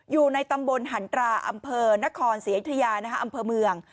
อยู่ในตำบลหันตราอำเภอนครศรีอยุธยาอำเภอเมือง